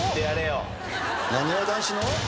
なにわ男子の？